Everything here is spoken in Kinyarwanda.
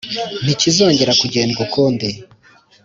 ntikizongera kugendwa ukundi.